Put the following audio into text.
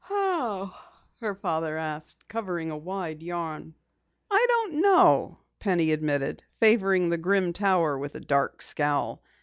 "How?" her father asked, covering a wide yawn. "I don't know," Penny admitted, favoring the grim tower with a dark scowl.